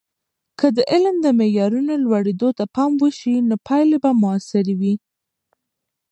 که د علم د معیارونو لوړیدو ته پام وسي، نو پایلې به موثرې وي.